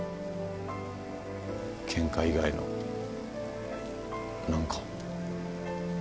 ケンカ以外の何かを。